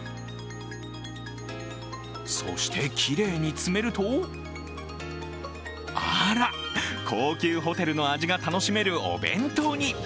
そしてきれいに詰めると、あら、高級ホテルの味が楽しめるお弁当に。